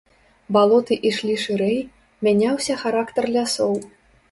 Балоты ішлі шырэй, мяняўся характар лясоў.